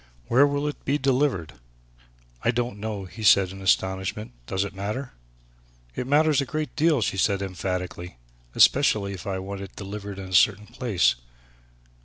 "Where will it be delivered!" "I don't know," he said in astonishment; "does that matter?" "It matters a great deal," she said emphatically, "especially if I want it delivered in a certain place.